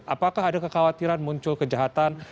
apakah ada kekhawatiran muncul kejahatan